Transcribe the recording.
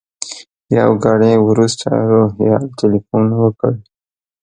یو ګړی وروسته روهیال تیلفون وکړ.